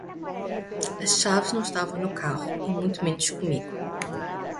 As chaves não estavam no carro e muito menos comigo.